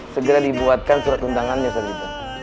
segera dibuatkan surat undangannya ustadz